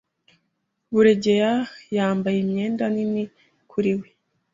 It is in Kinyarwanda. Buregeya yambaye imyenda nini kuri we.